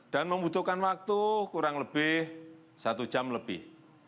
dan membutuhkan waktu kurang lebih satu jam lebih